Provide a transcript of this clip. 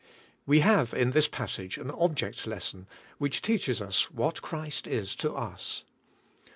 WE have in this passage an object, lesson which teaches us what Christ is to us.